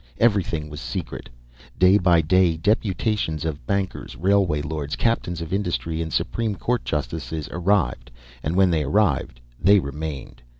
Everything was secret. Day by day deputations of bankers, railway lords, captains of industry, and Supreme Court justices arrived; and when they arrived they remained.